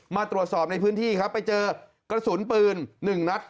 มาตรวจสอบในพื้นที่ครับไปเจอกระสุนปืน๑นัด